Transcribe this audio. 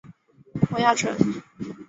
汪亚尘。